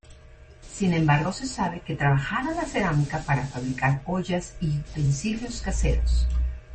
Sin embargo se sabe que trabajaron la cerámica para fabricar ollas y utensilios caseros.